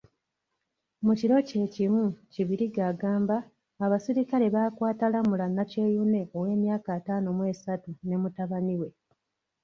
Mu kiro kyekimu, Kibirige agamba abasirikale baakwata Lamulah Nakyeyune owemyaka ataano mw'esatu ne mutabani we.